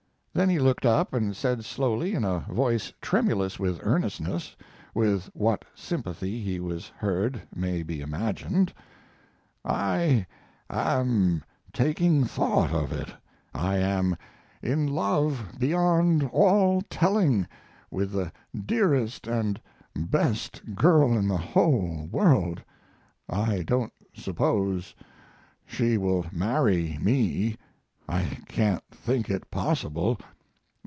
Then he looked up, and said slowly, in a voice tremulous with earnestness (with what sympathy he was heard may be imagined): "I am taking thought of it. I am in love beyond all telling with the dearest and best girl in the whole world. I don't suppose she will marry me. I can't think it possible.